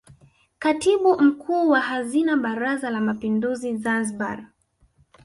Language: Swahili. Katibu Mkuu wa Hazina Baraza la Mapinduzi Zanzibar